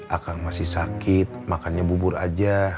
akang masih sakit makannya bubur aja